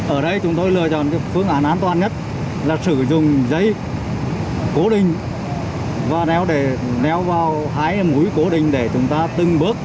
ở đây chúng tôi lựa chọn phương án an toàn nhất là sử dụng dây cố định và néo vào hai mũi cố định để chúng ta từng bước